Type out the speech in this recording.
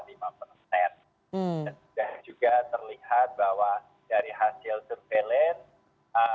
dan juga terlihat bahwa dari hasil surveillance